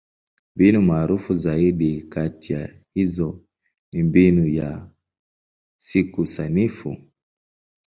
Mbinu maarufu zaidi kati ya hizo ni Mbinu ya Siku Sanifu.